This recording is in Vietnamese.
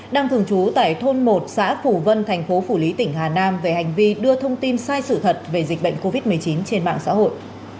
đang thường trú tại thôn một xã phủ vân thành phố phủ lý tỉnh hà nam về hành vi đưa thông tin sai sự thật về dịch bệnh covid một mươi chín trên mạng xã hội